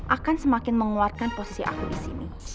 akan semakin mengeluarkan posisi aku disini